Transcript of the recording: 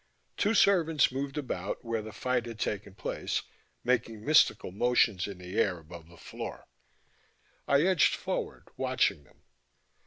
Two servants moved about where the fight had taken place, making mystical motions in the air above the floor. I edged forward, watching them.